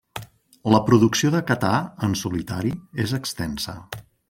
La producció de Catà en solitari és extensa.